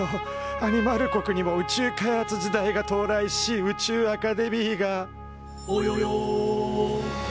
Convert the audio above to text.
アニマル国にも宇宙開発時代が到来し宇宙アカデミーが「およよ！？」と誕生。